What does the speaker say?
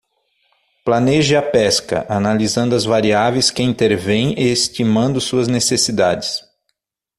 Planeje a pesca, analisando as variáveis que intervêm e estimando suas necessidades.